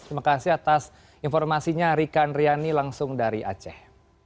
terima kasih atas informasinya rika andriani langsung dari aceh